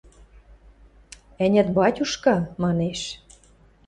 – Ӓнят, батюшка, – манеш.